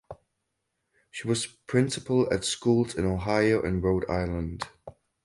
She was principal at schools in Ohio and Rhode Island.